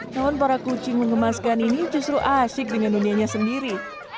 namun para kucing mengemaskan ini justru asik dengan dunianya sendiri